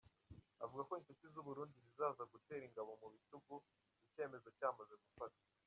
Avuga ko inshuti z’u Burundi zizaza gutera ingabo mu bitugu icyemezo cyamaze gufatwa.